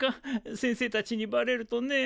先生たちにバレるとねえ